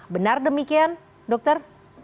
benar demikian dokter